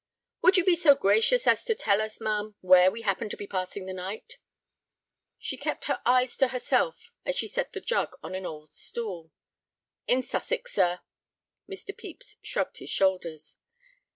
"Would you be so gracious as to tell us, ma'am, where we happen to be passing the night?" She kept her eyes to herself as she set the jug on an old stool. "In Sussex, sir." Mr. Pepys shrugged his shoulders.